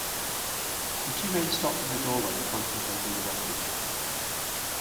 The two men stopped in the doorway, contemplating the wreckage.